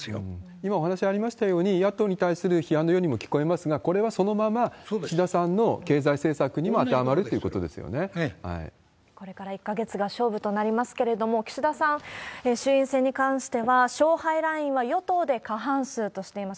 今お話ありましたように、野党に対する批判のようにも聞こえますが、これはそのまま岸田さんの経済政策にも当てはまるってここれから１か月が勝負となりますけれども、岸田さん、衆院選に関しては、勝敗ラインは与党で過半数としています。